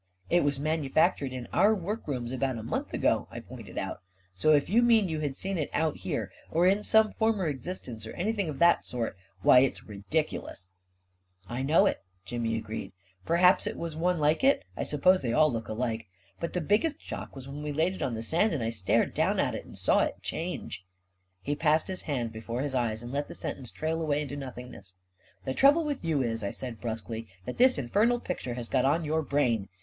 " It was manufactured in our workrooms about a month ago," I pointed out, " so if you mean you had seen it out here, or in some former existence, or any thing of that sort — why, it's ridiculous !"" I know it," Jimmy agreed. " Perhaps it was one like it — I suppose they all look alike. But the biggest shock was when we laid it on the sand, and I stared down at it, and saw it change ..." A KING IN BABYLON 235 He passed his hand before his eyes, and let the sentence trail away into nothingness. " The trouble with you is," I said brusquely, " that this infernal picture has got on your brain.